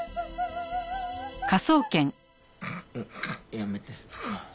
やめて。